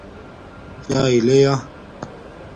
چاݵے لے یا